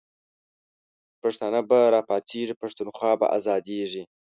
پښتانه به راپاڅیږی، پښتونخوا به آزادیږی